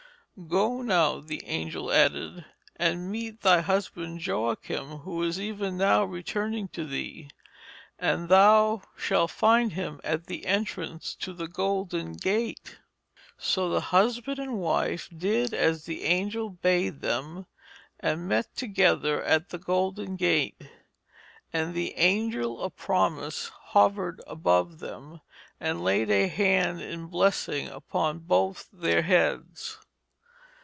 'Go now,' the angel added, 'and meet thy husband Joachim, who is even now returning to thee, and thou shall find him at the entrance to the Golden Gate.' So the husband and wife did as the angel bade them, and met together at the Golden Gate. And the Angel of Promise hovered above them, and laid a hand in blessing upon both their heads.